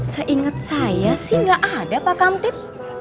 seingat saya sih nggak ada pak kamtip